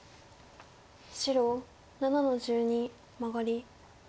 白７の十二マガリ。